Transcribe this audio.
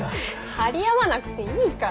張り合わなくていいから。